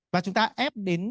và chúng ta ép đến